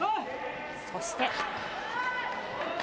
そして。